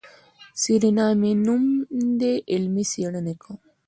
سېرېنا مې نوم دی علمي څېړنې کوم.